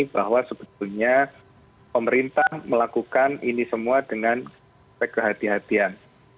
bahwa sebetulnya pemerintah melakukan ini semua dengan sekehati hatian